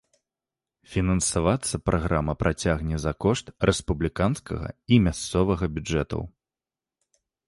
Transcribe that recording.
Фінансавацца праграма працягне за кошт рэспубліканскага і мясцовага бюджэтаў.